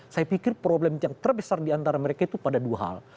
saya pikir problem yang terbesar diantara mereka itu pada dua hal